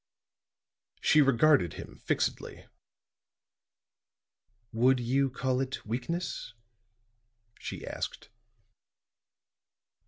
She regarded him fixedly. "Would you call it weakness?" she asked.